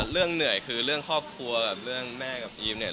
เหนื่อยคือเรื่องครอบครัวกับเรื่องแม่กับอีฟเนี่ย